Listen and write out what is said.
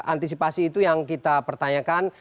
antisipasi itu yang kita pertanyakan